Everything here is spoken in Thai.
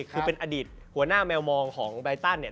คือเป็นอดีตหัวหน้าแมวมองของไรตันเนี่ย